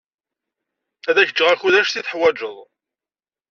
Ad ak-ǧǧeɣ akud anect i teḥwajeḍ.